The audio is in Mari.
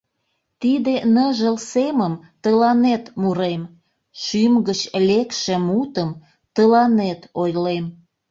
Тиде ныжыл семым тыланет мурем, Шӱм гыч лекше мутым тыланет ойлем.